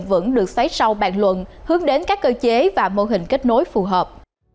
một tiêu bệnh vững được xoáy sau bàn luận hướng đến các cơ chế và mô hình kết nối phù hợp